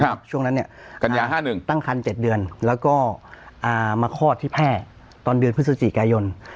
ช่วงนั้นเนี่ยกัญญา๕๑ตั้งคัน๗เดือนแล้วก็มาคลอดที่แพร่ตอนเดือนพฤศจิกายน